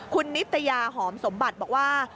คุณนิตยาหอมสมบัติบอกว่า